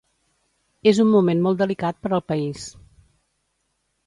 És un moment molt delicat per al país.